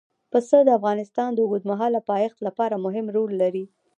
پسه د افغانستان د اوږدمهاله پایښت لپاره مهم رول لري.